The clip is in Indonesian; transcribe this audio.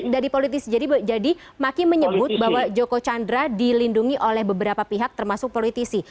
dari politisi jadi maki menyebut bahwa joko chandra dilindungi oleh beberapa pihak termasuk politisi